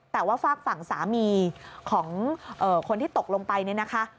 แต่ว่าฝากฝั่งสามีของคนที่ตกลงไปเนี่ยนะคะ